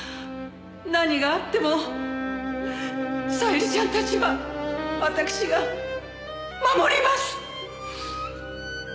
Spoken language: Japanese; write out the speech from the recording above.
何があっても小百合ちゃんたちはわたくしが守ります。